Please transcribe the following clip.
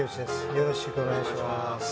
よろしくお願いします